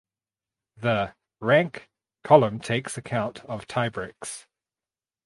The "Rank" column takes account of tie breaks.